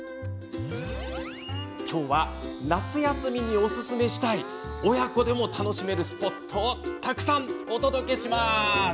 今日は、夏休みにおすすめしたい親子でも楽しめるスポットをたくさんお届けします。